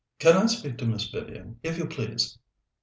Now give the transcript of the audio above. "Can I speak to Miss Vivian, if you please?"